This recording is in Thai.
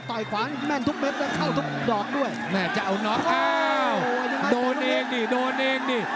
ยขวานี่แม่นทุกเม็ดนะเข้าทุกดอกด้วยแม่จะเอาน็อกอ้าวโดนเองดิโดนเองดิ